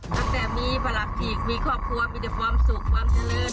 ตั้งแต่มีพลักษณ์ขีกมีครอบครัวมีความสุขความเทลิศ